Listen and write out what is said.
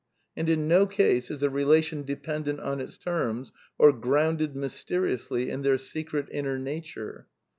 And in no case is a relation dependent on its terms, or grounded mysteriously in their secret inner nature.